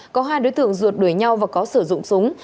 có hai đối tượng ruột đuổi nhau và có sử dụng súng